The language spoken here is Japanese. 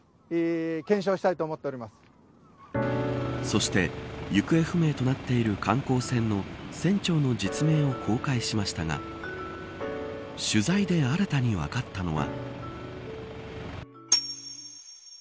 そして行方不明となっている観光船の船長の実名を公開しましたが取材で新たに分かったのは。